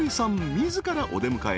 自らお出迎え